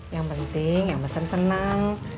yang penting yang mesen senang